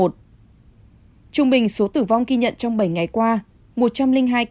trung bình số tử vong ghi nhận trong bảy ngày qua một trăm linh hai ca